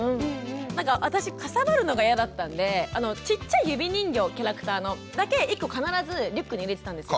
なんか私かさばるのが嫌だったんでちっちゃい指人形キャラクターのだけ１個必ずリュックに入れてたんですよ。